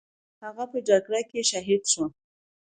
هغه په جګړه کې شهید شو.